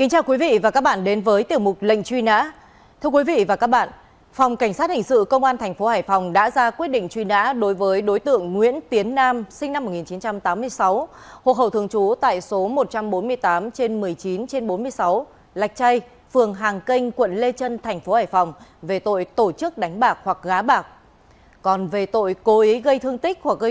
hãy đăng ký kênh để ủng hộ kênh của chúng mình nhé